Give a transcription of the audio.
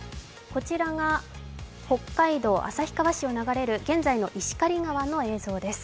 こちらが北海道旭川市を流れる現在の石狩川の映像です。